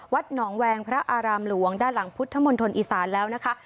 หนองแวงพระอารามหลวงด้านหลังพุทธมณฑลอีสานแล้วนะคะ